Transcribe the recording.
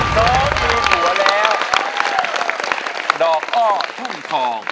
จังจริง๒หมื่นหัวแล้วดอกอ้อทุ่มทอง